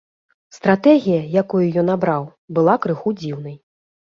Стратэгія, якую ён абраў, была крыху дзіўнай.